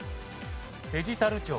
デジタル庁。